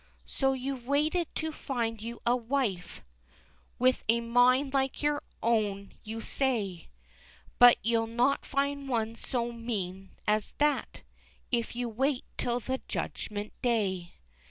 So you've waited to find you a wife, With a mind like your own, you say, But you'll not find one so mean as that, If you wait till the Judgment Day."